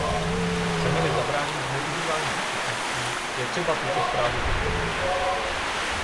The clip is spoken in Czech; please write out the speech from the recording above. Chceme-li zabránit zneužívání účetnictví, je třeba tuto zprávu podpořit.